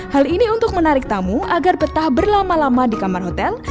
hal ini untuk menarik tamu agar betah berlama lama di kamar hotel